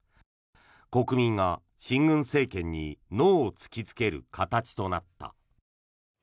国民が親軍政権にノーを突きつける形となった。